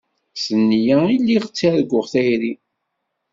S nneyya i lliɣ ttarguɣ tayri.